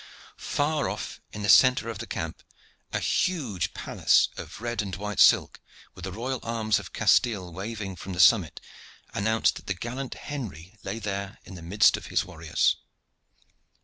Far off, in the centre of the camp, a huge palace of red and white silk, with the royal arms of Castile waiving from the summit, announced that the gallant Henry lay there in the midst of his warriors.